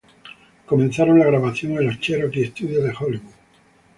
Comenzaron la grabación en los Cherokee Studios de Hollywood.